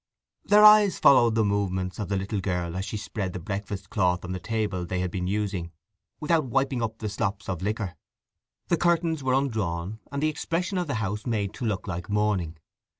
Their eyes followed the movements of the little girl as she spread the breakfast cloth on the table they had been using, without wiping up the slops of the liquor. The curtains were undrawn, and the expression of the house made to look like morning.